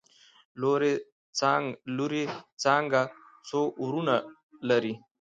لورې څانګه څو وروڼه لري؟؟